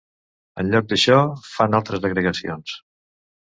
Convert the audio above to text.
En lloc d'això fan altres agregacions.